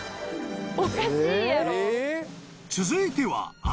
［続いては］